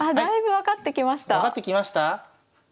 分かってきました？